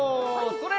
それ！